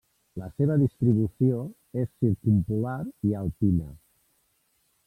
La seva distribució és circumpolar i alpina.